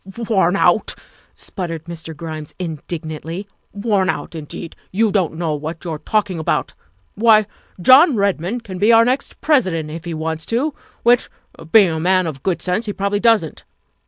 ''" Worn out," spluttered Mr. Grimes indignantly, *' worn out, indeed ! You don 't know what you 're talk ing about. Why, John Redmond can be our next Presi dent if he wants to which, being a man of great good sense, he probably doesn't.